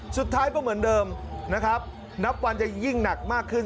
สุดท้ายก็เหมือนเดิมนะครับนับวันจะยิ่งหนักมากขึ้น